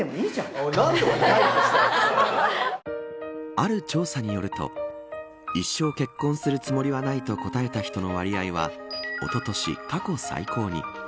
ある調査によると一生結婚するつもりはないと答えた人の割合はおととし、過去最高に。